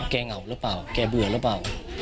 เหงาหรือเปล่าแกเบื่อหรือเปล่า